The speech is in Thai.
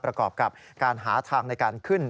ประกอบกับการหาทางในการขึ้น